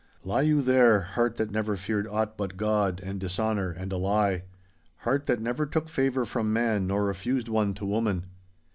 Lie you there, heart that never feared aught but God and dishonour and a lie—heart that never took favour from man nor refused one to woman.